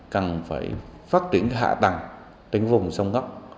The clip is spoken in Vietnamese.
cần phải phát triển hạ tầng trên vùng sông gốc